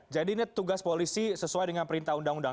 ini tugas polisi sesuai dengan perintah undang undang